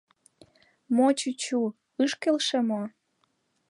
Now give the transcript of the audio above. — Мо, чӱчӱ, ыш келше мо?